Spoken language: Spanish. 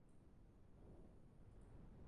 Se encuentra en los ríos Congo y Zambeze.